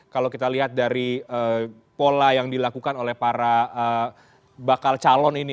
kalau kita lihat dari pola yang dilakukan oleh para bakal calon ini